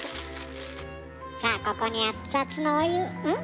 さあここに熱々のお湯ん？